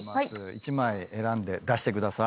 １枚選んで出してください。